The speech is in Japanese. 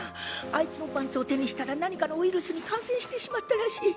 あいつのパンツを手にしたら何かのウイルスに感染してしまったらしい。